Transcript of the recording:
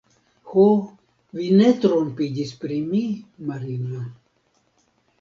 Ho, vi ne trompiĝis pri mi, Marinjo!